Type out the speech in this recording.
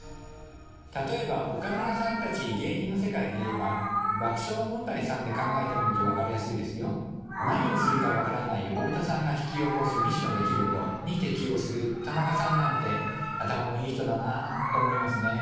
例えば岡村さんたち何をするかわからない太田さんが引き起こす「未知の出来事」に適応する田中さんなんて頭のいい人だなぁと思いますね。